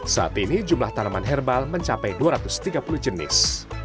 saat ini jumlah tanaman herbal mencapai dua ratus tiga puluh jenis